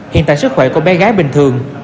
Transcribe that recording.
hiện tại sức khỏe của bé gái bình thường